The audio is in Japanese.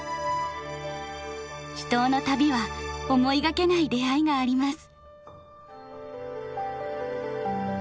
秘湯の旅は思いがけない出会いがあります。